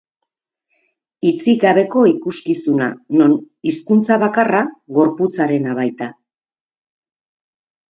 Hitzik gabeko ikuskizuna, non hizkuntza bakarra gorputzarena baita.